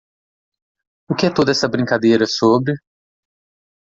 O que é toda essa brincadeira sobre?